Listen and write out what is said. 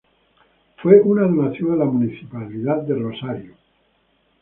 Fue una donación a la municipalidad de Rosario de la Sra.